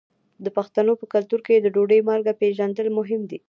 د پښتنو په کلتور کې د ډوډۍ مالګه پیژندل مهم دي.